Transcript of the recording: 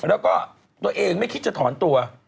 แล้วก็ตัวเองไม่คิดจะถอนตัว